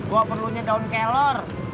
gua perlunya daun kelor